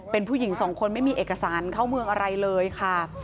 เป็นผู้หญิงสองคนไม่มีเอกสารเข้าเมืองอะไรเลยค่ะ